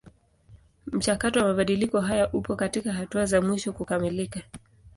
Mchakato wa mabadiliko haya upo katika hatua za mwisho kukamilika.